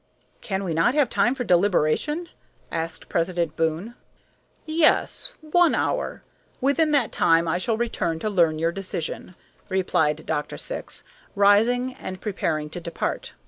"Can we not have time for deliberation?" asked President Boon. "Yes, one hour. Within that time I shall return to learn your decision," replied Dr. Syx, rising and preparing to depart.